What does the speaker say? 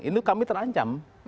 itu kami terancam